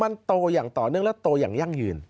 มันโตอย่างต่อเนื่องและโตอย่างยั่งยืน